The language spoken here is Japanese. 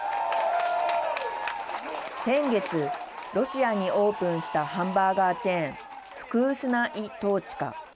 先月、ロシアにオープンしたハンバーガーチェーンフクースナ・イ・トーチカ。